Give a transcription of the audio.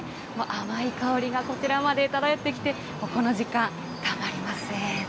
甘い香りがこちらまで漂ってきて、この時間、たまりません。